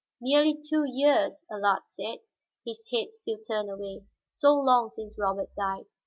"Nearly two years," Allard said, his head still turned away. "So long since Robert died.